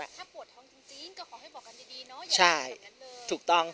ถ้าปวดท้องจริงจริงก็ขอให้บอกกันดีดีเนอะอย่าใช่ถูกต้องครับ